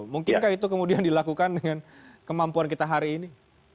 mungkinkah itu kemudian dilakukan dengan kemampuan kita hari ini